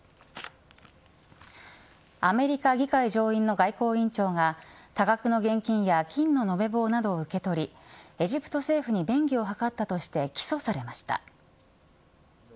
アメリカ議会上院の外交委員長が多額の現金や金の延べ棒などを受け取りエジプト政府に便宜を図ったとして起訴されました。